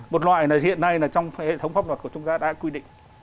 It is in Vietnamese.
một loại là hiện nay trong hệ thống pháp luật của chúng ta đã quy định